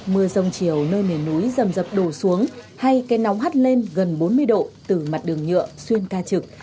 mưa rông chiều nơi miền núi dầm dập đổ xuống hay cây nóng hắt lên gần bốn mươi độ từ mặt đường nhựa xuyên ca trực